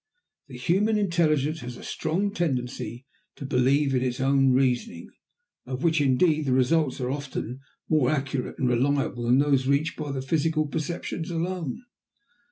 The human intelligence has a strong tendency to believe in its own reasonings, of which, indeed, the results are often more accurate and reliable than those reached by the physical perceptions alone.